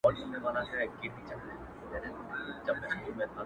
تا چي رنګ د ورور په وینو صمصام راوړ,